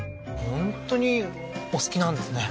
本当にお好きなんですね。